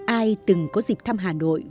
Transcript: ai từng có dịp thăm hà nội